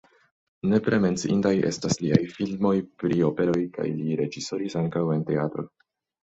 Nepre menciindaj estas liaj filmoj pri operoj kaj li reĝisoris ankaŭ en teatro.